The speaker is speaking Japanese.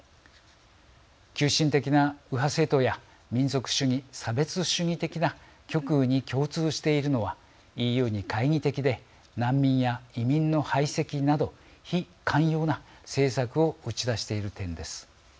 急進的な右派政党や民族主義・差別主義的な極右に共通しているのはＥＵに懐疑的で難民や移民の排斥など非寛容な政策を打ち出している点です。